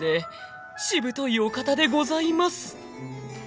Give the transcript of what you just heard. ［しぶといお方でございます］